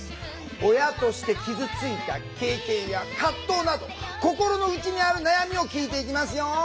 親として傷ついた経験や葛藤など心の内にある悩みを聞いていきますよ。